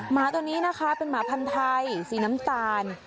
หมาตัวนี้นะคะเป็นหมาพันธุ์ไทยสีน้ำตาล